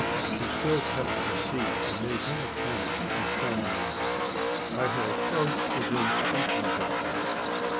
She still kept her seat, and made no attempt to shun me. I had approached within speaking distance.